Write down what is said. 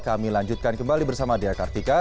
kami lanjutkan kembali bersama dea kartika